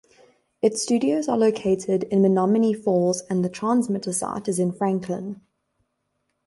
Its studios are located in Menomonee Falls and the transmitter site is in Franklin.